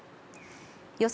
予想